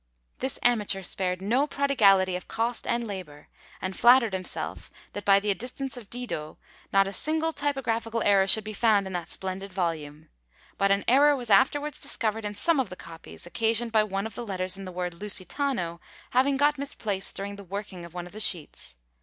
This amateur spared no prodigality of cost and labour, and flattered himself, that by the assistance of Didot, not a single typographical error should be found in that splendid volume. But an error was afterwards discovered in some of the copies, occasioned by one of the letters in the word Lusitano having got misplaced during the working of one of the sheets.